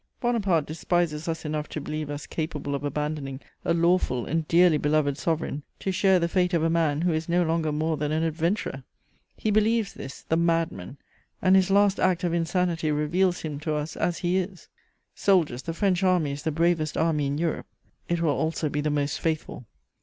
"Bonaparte despises us enough to believe us capable of abandoning a lawful and dearly beloved Sovereign to share the fate of a man who is no longer more than an adventurer. He believes this, the madman, and his last act of insanity reveals him to us as he is! "Soldiers, the French Army is the bravest army in Europe; it will also be the most faithful.